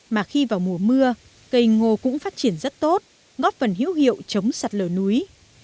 mà khi vào mùa mưa cây ngô cũng phát triển rất tốt góp phần hữu hiệu chống sạt lở núi